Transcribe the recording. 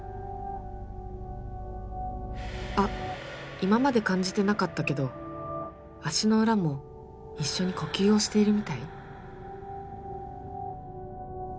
今まで感じてなかったけど足の裏も一緒に呼吸をしているみたい？